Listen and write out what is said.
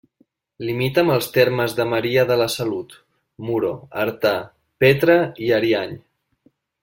Limita amb els termes de Maria de la Salut, Muro, Artà, Petra i Ariany.